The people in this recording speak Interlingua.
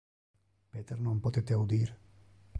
Peter non pote te audir.